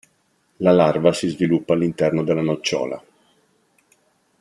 La larva si sviluppa all'interno della nocciola.